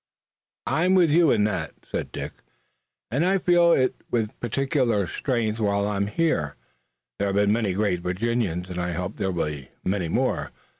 "I'm with you in that," said Dick, "and I feel it with particular strength while I am here. There have been many great Virginians and I hope there'll be many more."